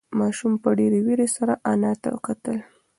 ماشوم په ډېرې وېرې سره انا ته کتل.